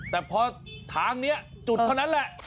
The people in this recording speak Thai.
แต่พอทางนี้จุดเท่านั้นแหละ